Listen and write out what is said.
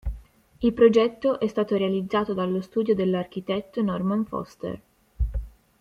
Il progetto è stato realizzato dallo studio dell'architetto Norman Foster.